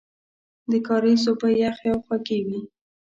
د کاریز اوبه یخې او خوږې وې.